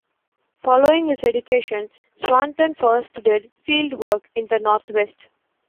Following his education, Swanton first did fieldwork in the Northwest.